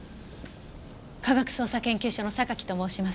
科学捜査研究所の榊と申します。